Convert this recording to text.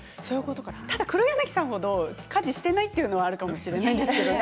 ただ畔柳さん程家事をしていないっていうのはあるかもしれないですけれどもね